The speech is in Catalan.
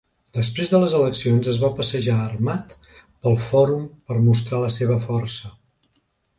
Després de les eleccions, es va passejar armat pel Fòrum per mostrar la seva força.